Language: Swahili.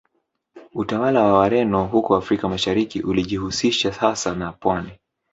Utawala wa Wareno huko Afrika Mashariki ulijihusisha hasa na pwani